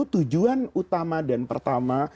tujuan utama dan pertama